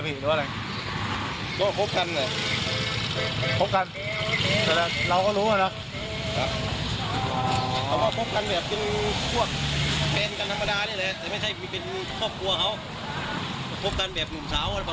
เขาก็ครบกันแบบหนุ่มสาว